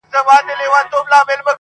ستونزې ډېرېده اكثر.